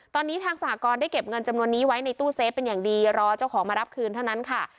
ตอนนี้ทางสหกรณ์ได้เก็บเงินจำนวนนี้ไว้ในตู้เซฟเป็นอย่างดีรอเจ้าของมารับคืนเท่านั้นค่ะ